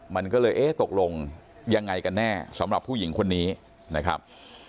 มันก็เลยเอ๊ะตกลงยังไงกันแน่สำหรับผู้หญิงคนนี้นะครับ